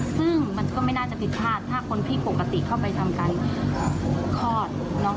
ซึ่งมันก็ไม่น่าจะผิดพลาดถ้าคนที่ปกติเข้าไปทำการคลอด